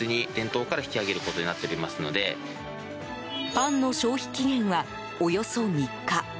パンの消費期限はおよそ３日。